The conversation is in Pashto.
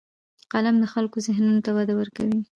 قلم د خلکو ذهنونو ته وده ورکوي